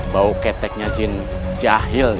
bau keteknya jin jahil